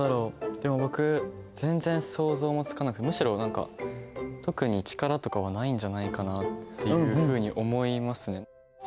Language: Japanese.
でも僕全然想像もつかなくてむしろ何か特に力とかはないんじゃないかなっていうふうに思いますね。